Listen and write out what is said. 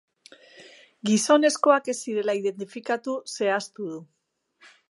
Gizonezkoak ez zirela identifikatu zehaztu du.